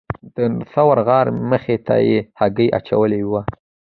د ثور غار مخې ته یې هګۍ اچولې وه.